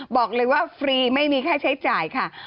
บอกเลยว่าฟรีไม่มีค่าใช้จ่ายค่ะ